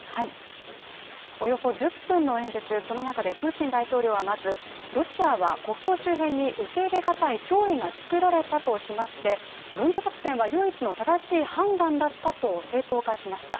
およそ１０分の演説その中でプーチン大統領はまずロシアは国境周辺に受け入れがたい脅威が作られたとしまして、軍事作戦は唯一の正しい判断だったと正当化しました。